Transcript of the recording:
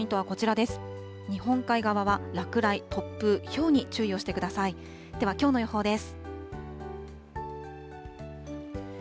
では、きょうの予報です。